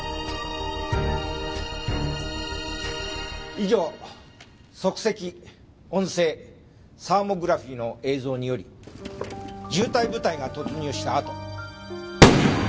以上足跡音声サーモグラフィーの映像により銃対部隊が突入したあと。